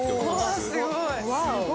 すごい。